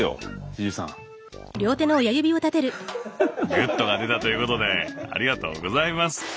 グッドが出たということでありがとうございます。